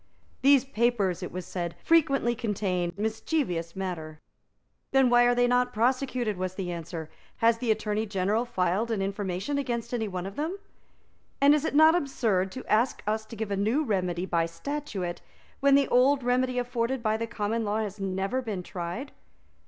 "These papers," it was said, "frequently contain mischievous matter." "Then why are they not prosecuted?" was the answer. "Has the Attorney General filed an information against any one of them? And is it not absurd to ask us to give a new remedy by statute, when the old remedy afforded by the common law has never been tried?"